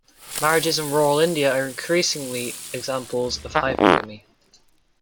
Marriages in rural India are increasingly examples of hypergamy.